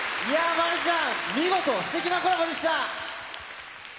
真凜ちゃん、見事、すてきなコラボでした。